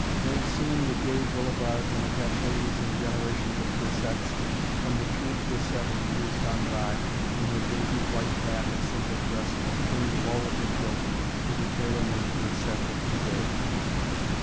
They have seen the gay boulevards and the cafés and generations of grisettes, from the true grisette of years gone by, in her dainty white cap and simple dress turned low at the throat, to the tailor made grisette of to day.